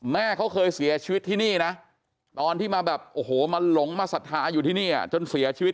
แม่เขาเคยเสียชีวิตที่นี่นะตอนที่มาแบบโอ้โหมาหลงมาศรัทธาอยู่ที่นี่จนเสียชีวิต